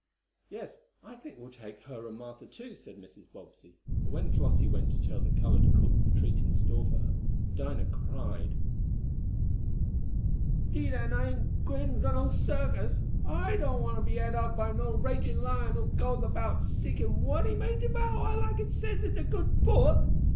"Yes, I think we'll take her and Martha, too," said Mrs. Bobbsey, but when Flossie went to tell the colored cook the treat in store for her, Dinah cried: "'Deed an' I ain't gwine t' no circus. I doan't want t' be et up by no ragin' lion who goeth about seekin' what he may devour, laik it says in de Good Book.